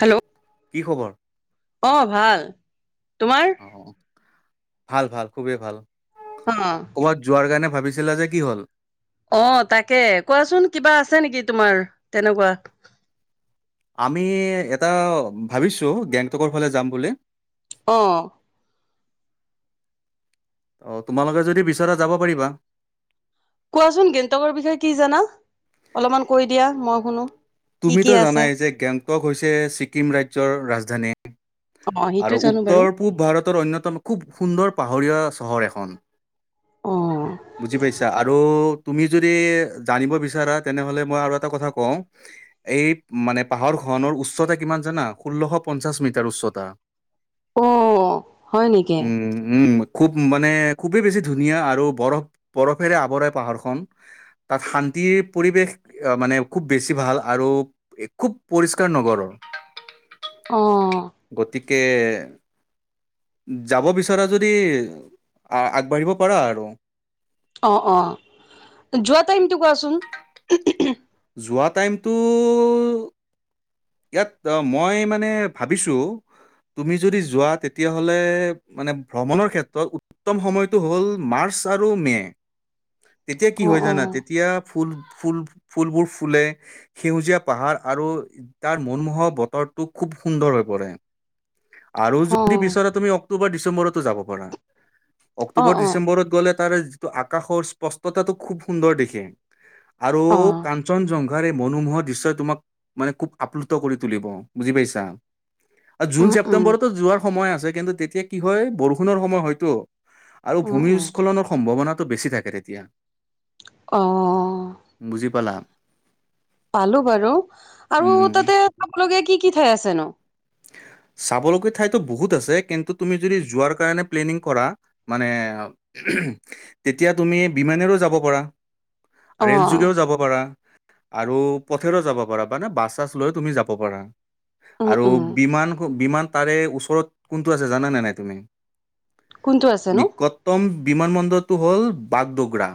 Hello [inaudible] কি খবৰ? অঁ ভাল তোমাৰ? অঁ ভাল ভাল খুবেই ভাল। হা ক'ৰবাত যোৱাৰ কাৰণে ভাবিছিলা যে কি হ'ল। অ তাকে কোৱাচোন কিবা আছে নেকি তোমাৰ তেনেকুৱা। আমি এটা ভাবিছো গেংটকৰ ফালে যাম বুলি। অঁ অ তোমালোকে যদি বিচৰা যাব পাৰিবা। কোৱাচোন গেংটকৰ বিষয়ে কি জানা অলপমান কৈ দিয়া মই শুনো। কি কি তুমিতো আছে জানাই যে গেংটক হৈছে ছিকিম, ৰাজ্যৰ ৰাজধানী। অ আৰু সেইটো জানো বাৰু উত্তৰ -পূব ভাৰতৰ অন্যতম খুব সুন্দৰ পাহাৰীয়া, চহৰ এখন। অ বুজি পাইছা আৰু- তুমি যদি জানিব বিচাৰা তেনেহ'লে মই আৰু এটা কথা কওঁ। এই মানে পাহাৰখনৰ উচ্চতা কিমান জানা ষোল্লশ পঞ্চাছ মিটাৰ উচ্চতা। অ হয় নেকি [inaudible] উম উম খুব মানে খুবেই বেছি ধুনীয়া আৰু বৰফ, বৰফেৰে আৱৰাই পাহাৰখন তাত শান্তিৰ পৰিৱেশ মানে খুব বেছি ভাল। আৰু খুব পৰিষ্কাৰ নগৰৰ অ গতিকে- যাব বিচৰা যদি আগবাঢ়িব পাৰা আৰু অ', অ', যোৱা টাইমটো কোৱাচোন? যোৱা টাইমতটো ইয়াত মই মানে ভাবিছোঁ। তুমি যদি যোৱা তেতিয়াহ'লে মানে ভ্ৰমণৰ ক্ষেত্ৰত উত্তম সময়টো হ'ল মাৰ্চ আৰু মে। তেতিয়া কি অ হয় অ জানা তেতিয়া ফুল-ফুল ফুলবোৰ ফুলে। সেউজীয়া পাহাৰ, আৰু তাৰ মনমোহৰ বতৰটো খুব সুন্দৰ হৈ পৰে। আৰু অ যদি বিচৰা তুমি অক্টোবৰ ডিচেম্বৰতো যাব পাৰা। অ অক্টোবৰ অ ডিচেম্বৰত গ'লে তাৰ যিটো আকাশৰ স্পষ্টতাটো খুব সুন্দৰ দেখে। আৰু অ সংঘাৰ এই মনোমোহৰ দৃশ্যই তোমাক মানে খুব আপ্লু্ত কৰি তুলিব বুজি পাইছা। জুন উম উম ছেপ্তেম্বৰতো যোৱাৰ সময় আছে, কিন্তু তেতিয়া কি হয় বৰষুণৰ, সময় হয়তো। আৰু উম উম ভূমিস্খলনৰ সম্ভাৱনাটো বেছি থাকে তেতিয়া। অঁ বুজি পালা। পালো বাৰু আৰু উম তাতে চাবলগীয়া কি কি ঠাই আছে নো? চাবলগীয়া ঠাইতো বহুত আছে, কিন্তু তুমি যদি যোৱাৰ কাৰণে প্লেনিং কৰা মানে তেতিয়া তুমি বিমানেৰেও যাব পাৰা, ৰে'ল অ যোগেও যাব পাৰা। আৰু পথেৰেও যাব পাৰা, মানে বাছ-চাছ লৈ তুমি যাব পাৰা উম, আৰু উম, বিমান তাৰে ওচৰত কোনটো আছে জানা নে নাই তুমি কোনটো আছে নো? উত্তম বিমান বন্দৰটো হ'ল বাগডোগৰা।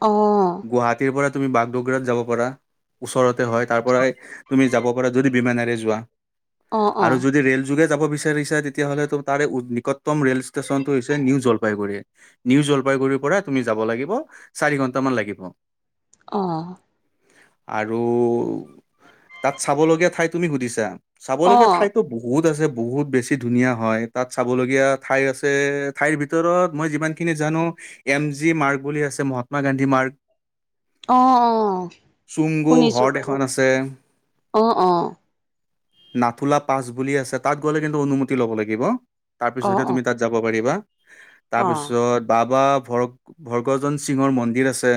অ', গুৱাহাটীৰ পৰা তুমি বাগডগৰাত যাব পাৰা, ওচৰতে হয় তাৰ পৰাই তুমি যাব পাৰা যদি বিমানেৰে যোৱা অ', আৰু অ', যদি ৰে'ল যোগে যাব বিচাৰিচা, তেতিয়াহ'লে ত তাৰে নিকটতম ৰেল ষ্টেচন টো হৈছে নিউ জলপাইগুৰি। নিউ জলপাইগুৰিৰ পৰা তুমি যাব লাগিব, চাৰি ঘণ্টামান লাগিব। অ', আৰু তাত চাবলগীয়া ঠাই তুমি সুধিছা, অ', চাবলগীয়া অ', ঠাইতো বহুত আছে বহুত বেছি ধুনীয়া হয়, তাত চাব লগীয়া ঠাই আছে ঠাইৰ ভিত ভিতৰত মই যিমানখিনি জানো এম জি মাৰ্গ বুলি আছে মহাত্মা গান্ধী মাৰ্গ। অ', অ', চুংগু শুনিছো হ্ৰদ এখন বাৰু আছে অ', অ', নাথুলা পাছ বুলি আছে তাত গ'লে কিন্তু অনুমতি ল'ব লাগিব অ', তাৰপিছতহে অ', তুমি যাব পাৰিবা অ', তাৰপিছত বাবা ভৰক ভৰ্গজন সিঙৰ মন্দিৰ আছে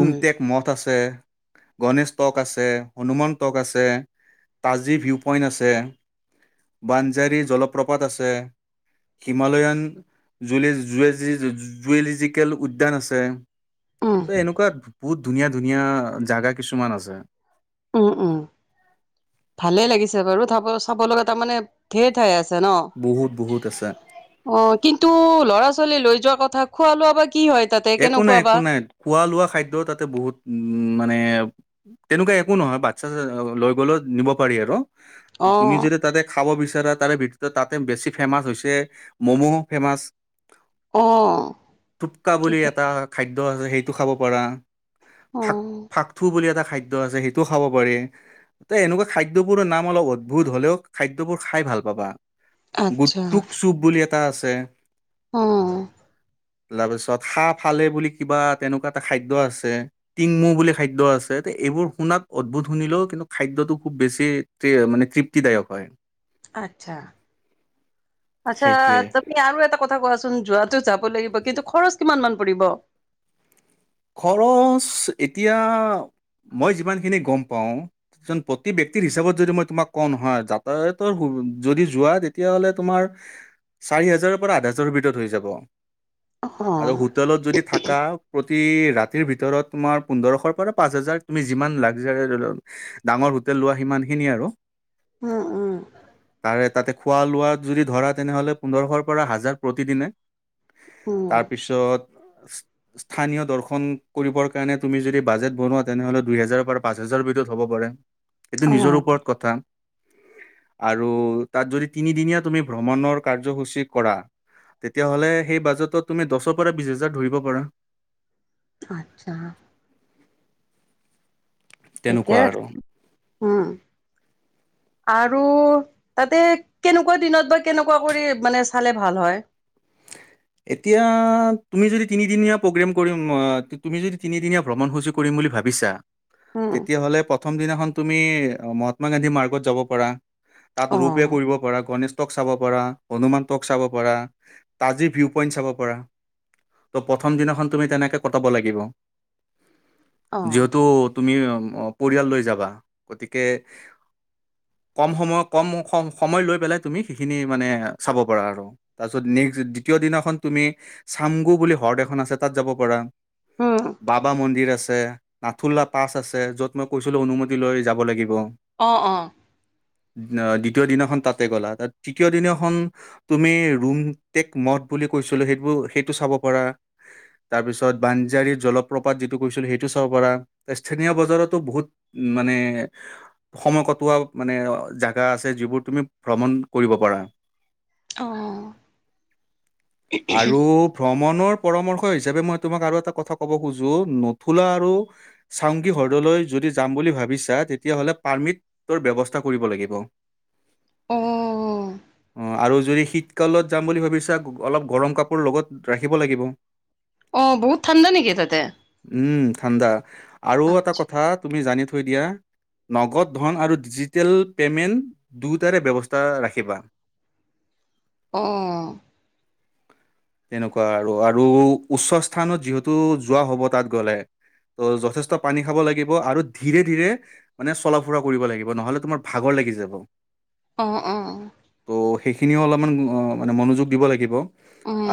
উম, মঠ আছে। গণেশ টক আছে, হনুমান টৰ্ক আছে তাজী ভিউ পইণ্ট আছে। বাঞ্জাৰী জলপ্ৰপাত আছে। হিমালয়ান জু [unintelligible] জুৱেলজিকেল উদ্যান আছে উম, ত এনেকুৱা বহুত ধুনীয়া, ধুনীয়া জোগা কিছুমান আছে। উম, উম ভালে লাগিছে বাৰু চাব লগা তাৰমানে ধেৰ ঠাই আছে ন। বহুত বহুত আছে। অ', কিন্তু ল'ৰা ছোৱালী লৈ যোৱা কথা খোৱা লোৱা বা কি হয় তাতে একো নাই কেনেকুৱা একো বা? নাই খোৱা লোৱা খাদ্য তাতে বহুত মানে তেনেকুৱা একো নহয় বাচ্ছা লৈ গ'লেও নিব পাৰি আৰু তুমি অ', যদি তাতে খাব বিচাৰা তাৰে ভিতৰত তাতে বেছি ফেমাছ হৈছে ম'ম'ও ফেমাচ। অ', কা বুলি ঠিকে এটা খাদ্য আছে সেইটো খাব পাৰা অ', ফা-ফাকু বুলি এটা খা খাদ্য আছে সেইটোও খাব পাৰি। ত, এনেকুৱা খাদ্যবোৰৰ নাম অলপ অদ্ভুত হলেও খাদ্যবোৰ খাই ভাল পাবা। আচ্ছা গুটটুক চুপ বুলি এটা আছে অ', তাৰপিছত হাহ ফালে বুলি কিবা তেনেকুৱা এটা খাদ্য আছে টিংমৌ বুলি খাদ্য আছে এইবোৰ শুনাত অদ্ভুত শুনিলেও কিন্তু খাদ্যটো খুব বেছি মানে তৃপ্তিদায়ক হয় আচ্ছা আচ্ছা সেইটোৱে তুমি আৰু এটা কথা কোৱাচোন যোৱাটো যাব লাগিব কিন্তু খৰচ কিমান মান পৰিব খৰচ এতিয়া মই যিমানখিনি গম পাওঁ জন প্ৰতি ব্যক্তিৰ হিচাপত যদি মই তোমাক কওঁ নহয় যাতায়াতৰ যদি যোৱা তেতিয়াহ'লে তোমাৰ চাৰি হাজাৰৰ পৰা আঠ হাজাৰৰ ভিতৰত হৈ যাব অ', আৰু হোটেলত যদি থাকা প্ৰ তি ৰাতিৰ ভিতৰত তোমাৰ পোন্ধৰশৰ পৰা পাঁচ হাজাৰ তুমি যিমান লাগজাৰী ধৰি লওক ডাঙৰ হোটেল লোৱা সিমান খিনি আৰু উম উম তাৰে তাতে খোৱা লোৱা যদি ধৰা তেনেহ'লে পোন্ধৰশৰ পৰা হাজাৰ প্ৰতিদিনে উম, তাৰ পিছত স্থানীয় দৰ্শন কৰিবৰ কাৰণে তুমি যদি বাজেট বনোৱা তেনেহ'লে দুই হেজাৰৰ পৰা পাঁচ হাজাৰৰ ভিতৰত হ'ব পাৰে এইটো অ', নিজৰ ওপৰত কথা আৰু তাত যদি তিনিদিনীয়া তুমি ভ্ৰমণৰ কাৰ্যসূচী কৰা তেতিয়াহ'লে সেই বাজেটত তুমি দহৰ পৰা বিশ হজাৰ ধৰিব পাৰা আচ্ছা ঠিকে তেনেকুৱা আছে আৰু উম আৰু তাতে কেনেকুৱা দিনত বা কেনেকুৱা কৰি মানে চালে ভাল হয় এতিয়া তুমি যদি তিনিদিনীয়া প্ৰগ্ৰেম কৰিম মই তুমি যদি তিনিদিনীয়া ভ্ৰমণসূচি কৰিম বুলি ভাবিছা উম, তেতিয়াহলে প্ৰথম দিনাখন তুমি মহাত্মা গান্ধী মাৰ্গত যাব পাৰা তাত ৰূপে অ', কৰিব পাৰা গণেশ তক চাব পাৰা হনুমান তক চাব পাৰা তাজি ভিউ পইণ্ট চাব পাৰা ত' প্ৰথম দিনাখন তুমি তেনেকে কটাব লাগিব অ', যিহতু তুমি অ পৰিয়াল লৈ যাবা গতিকে কম সময় কম সম সময় লৈ পেলাই তুমি সেইখিনি মানে চাব পাৰা আৰু তাৰপিছত নেক্স দ্বিতীয় দিনাখন তুমি চামগু বুলি হ্ৰদ এখন আছে তাত যাব পাৰা উম, বাবা মন্দিৰ আছে নাথুলা পাছ আছে য'ত মই কৈছিলো অনুমতি লৈ যাব লাগিব অঁ অঁ [inaudible] দ্বিতীয় দিনাখন তাতে গ'লা তাত তৃতীয় দিনাখন তুমি ৰুম টেক মদ বুলি কৈছিলো সেইবোৰ সেইটো চাব পাৰা তাৰপিছত বাঞ্জাৰীৰ জলপ্ৰপাত যিটো কৈছিলো সেইটো চাব পাৰা স্থানীয় বজাৰতো বহুত মানে সময় কটোৱা মানে জেগা আছে যিবোৰ তুমি ভ্ৰমণ কৰিব পাৰা অঁ আৰু ভ্ৰমণৰ পৰামৰ্শ হিচাপে মই তোমাক আৰু এটা কথা ক'ব খোজো নুথুলা আৰু চাউংগী হ্ৰদলৈ যদি যাম বুলি ভাবিছা তেতিয়াহ'লে পাৰ্মিট তৰ ব্যৱস্থা কৰিব লাগিব অঁ অ আৰু যদি শীতকালত যাম বুলি ভাবিছা অলপ গৰম কাপোৰ লগত ৰাখিব লাগিব অ বহুত ঠাণ্ডা নেকি তাতে উম ঠাণ্ডা আৰু এটা আচ্ছা, কথা তুমি জানি থৈ দিয়া নগদ ধন আৰু ডিজিটেল পেমেণ্ট দুয়োটাৰে ব্যৱস্থা ৰাখিবা অঁ তেনেকুৱা আৰু আৰু উচ্চ স্থানত যিহেতু যোৱা হ'ব তাত গ'লে ত' যথেষ্ট পানী খাব লাগিব আৰু ধীৰে ধীৰে মানে চলা ফুৰা কৰিব লাগিব নহলে তোমাৰ ভাগৰ লাগি যাব। অ অ। ত' সেইখিনিও অলপমান মানে মনোযোগ দিব লাগিব।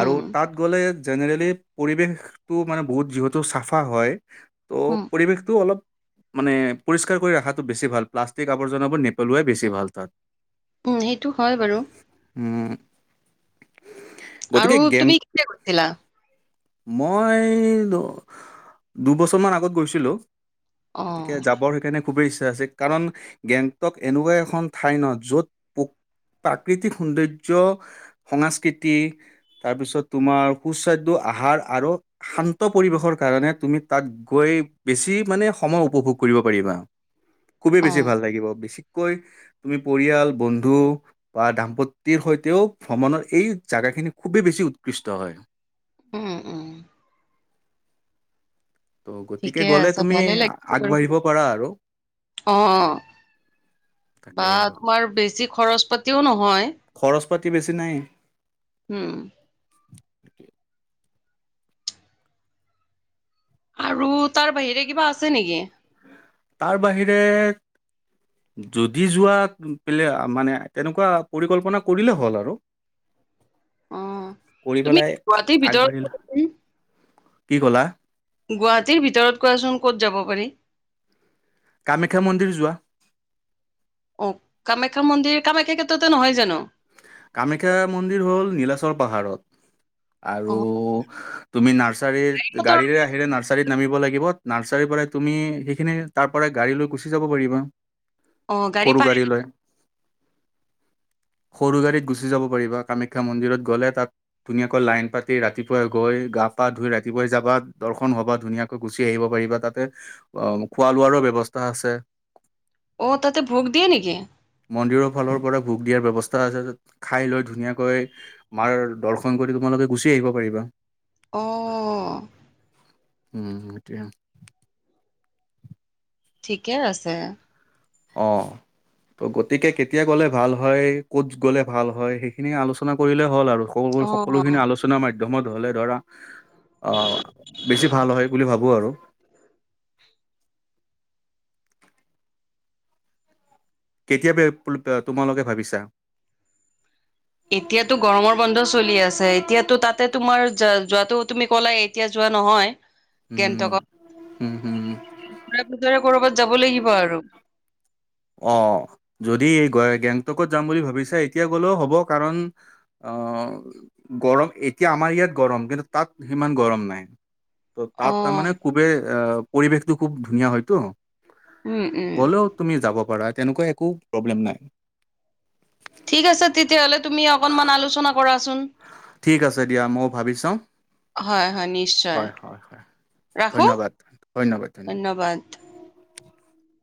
আৰু তাত গ'লে জেনেৰেলি পৰিৱেশটো মানে বহুত যিহেতু চাফা হয়। ত' উম, পৰিৱেশটো অলপ মানে পৰিষ্কাৰ কৰি ৰাখাটো বেছি ভাল প্লাষ্টিক আৱৰ্জনাবোৰ নেপেলোৱাই বেছি ভাল তাত। উম সেইটো হয় বাৰু। উম। গতিকে আৰু গেং তুমি কেতিয়া গৈছিলা? মই লু দুবছৰমান আগত গৈছিলোঁ। গতিকে অ', যাবৰ সেইকাৰণে খুবেই ইচ্ছা আছে কাৰণ গেংটক এনেকুৱা এখন ঠাই ন য'ত পোক প্ৰাকৃতিক সৌন্দৰ্য সংস্কৃতি তাৰপিছত তোমাৰ সুস্বাদ্য আহাৰ আৰু শান্ত পৰিৱেশৰ কাৰণে তুমি তাত গৈ বেছি মানে সময় উপভোগ কৰিব পাৰিবা। খুবেই বেছি অ', ভাল লাগিব। বিশেষকৈ তুমি পৰিয়াল বন্ধু বা দাম্পতিৰ সৈতেও ভ্ৰমণৰ এই জাগাখিনি খুবেই বেছি উৎকৃষ্ট হয়। উম উম। ত' গতিকে ঠিকে গ'লে আছে তুমি ভালে আ- লাগিছে বাৰু, আগবাঢ়িব পাৰা আৰু অ। তাকে বা আৰু তোমাৰ বেছি খৰচ পাতিও নহয়। খৰচ পাতি বেছি নাই। উম। আৰু তাৰ বাহিৰে কিবা আছে নেকি? তাৰ বাহিৰে যদি যোৱা পিলে মানে তেনেকুৱা পৰিকল্পনা কৰিলে হ'ল আৰু। অ কৰি তুমি পেলাই গুৱাহাটীৰ ভিতৰত আগবাঢ়িল কি ক'লা? গুৱাহাটীৰ ভিতৰত কোৱাচোন ক'ত যাব পাৰি? কামাখ্যা মন্দিৰ যোৱা। অ কামাখ্যা মন্দিৰ কামাখ্যা ক্ষেত্ৰতে নহয় জানো? কামাখ্যা মন্দিৰ হ'ল নীলাচল পাহাৰত আৰু অ তুমি নাৰ্চাৰীৰ সিহঁতৰ গাড়ীৰে বাহিৰে নাৰ্চাৰিত নামিব লাগিব। নাৰ্চাৰীৰ পৰাই তুমি সেইখিনি তাৰ পৰাই গাড়ী লৈ গুচি যাব পাৰিবা। অ গাড়ী সৰু পাৰেনে? লৈ সৰু গাড়ীত গুচি যাব পাৰিবা কামাখ্যা মন্দিৰত গ'লে তাত ধুনীয়াকৈ লাইন পাতি ৰাতিপুৱাই গৈ গা পা ধুই ৰাতিপুৱাই যাবা দৰ্শন হ'বা ধুনীয়াক কৈ গুচি আহিব পাৰিবা। তাতে অ খোৱা লোৱাৰো ব্যৱস্থা আছে। অ তাতে ভোগ দিয়ে নেকি? মন্দিৰৰ ফালৰ পৰা ভোগ দিয়াৰ ব্যৱস্থ তা আছে য'ত খাই লৈ ধুনীয়াকৈ মাৰ দৰ্শন কৰি তোমালোকে গুচি আহিব পাৰিবা। অ। উম সেইটোৱে। ঠিকে আছে। অঁ। ত' গতিকে কেতিয়া গ'লে ভাল হয় ক'ত গ'লে ভাল হয় সেইখিনি আলোচনা কৰিলে হ'ল আৰু। সকল অ সকলোখিনি আলোচনাৰ মাধ্যমত হ'লে ধৰা অ, বেছি ভাল হয় বুলি ভাবোঁ আৰু। কেতিয়া পে তোমালোকে ভাবিছা? এতিয়াতো গৰমৰ বন্ধ চলি আছে এতিয়াতো তাতে তোমাৰ যা যোৱাটো তুমি ক'লাই এ এতিয়া যোৱা নহয়। উম গেংটকত। হম হম গুজৰাট সুজৰত ক'ৰবাত যাব লাগিব আৰু। অ, যদি গে গেংটকত যাম বুলি ভাবিছা এতিয়া গ'লেও হ'ব কাৰণ অ, গৰম এতিয়া আমাৰ ইয়াত গৰম কিন্তু তাত সিমান গৰম নাই। ত', অ তাত তাৰমানে খুবেই অ পৰিৱেশটো খুব ধুনীয়া হয়তো। উম উম গ'লেও তুমি যাব পাৰা। তেনেকুৱা একো প্ৰব্লেম নাই। ঠিক আছে তেতিয়াহ'লে তুমি অকনমান আলোচনা কৰাচোন। ঠিক আছে দিয়া মও ভাবি চাওঁ। হয় হয় নিশ্চয় হয় হয় হয়, ৰাখো ধন্যবাদ ধন্যবাদ ধন্যবাদ। ধন্যবাদ। [inaudible]